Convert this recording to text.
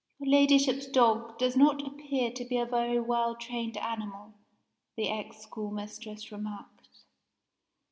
"Your Ladyship's dog does not appear to be a very well trained animal," the ex schoolmistress remarked.